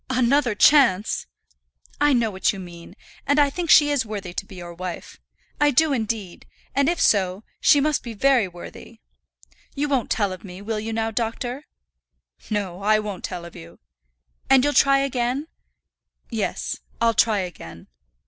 "Another chance!" "I know what you mean, and I think she is worthy to be your wife. I do, indeed; and if so, she must be very worthy. You won't tell of me, will you now, doctor?" "No; I won't tell of you." "And you'll try again?" "Yes; I'll try again."